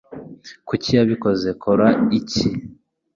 Kuki yabikoze?" "Kora iki?"